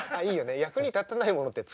役に立たないものって作りたいよね。